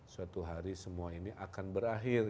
suatu hari semua ini akan berakhir